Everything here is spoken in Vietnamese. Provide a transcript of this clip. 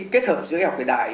kết hợp giữa học vệ đại